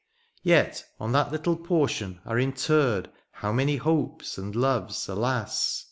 Yet on that little portion are interred How many hopes and loves, alas